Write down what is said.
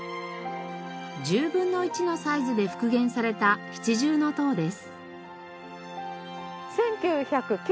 １０分の１のサイズで復元された七重塔です。